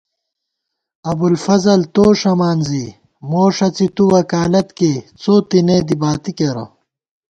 ابُوالفضل تو ݭَمان زی مو ݭڅی تُو وکالت کےڅو تېنےدی باتی کېرہ